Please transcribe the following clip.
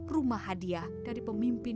rumah hadiah dari pemimpin